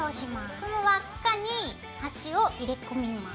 その輪っかに端を入れ込みます。